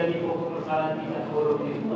sumpah pak tidak cukup